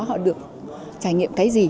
họ được trải nghiệm cái gì